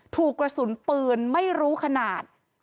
ถูกกระสุนปืนไม่รู้ขนาด